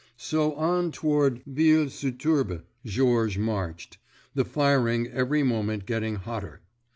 So on toward Ville sur Tourbes Georges marched, the firing every moment getting hotter.